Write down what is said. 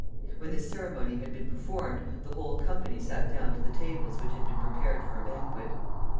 When this ceremony had been performed, the whole company sat down to the tables which had been prepared for a banquet.